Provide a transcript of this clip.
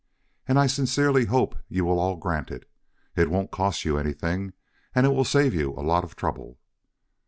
"And I sincerely hope you will all grant it. It won't cost you anything, and will save you a lot of trouble."